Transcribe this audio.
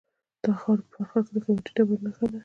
د تخار په فرخار کې د قیمتي ډبرو نښې دي.